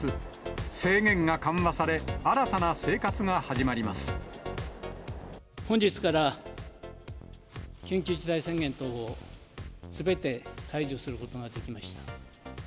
制限が緩和され、新たな生活が始本日から、緊急事態宣言等をすべて解除することができました。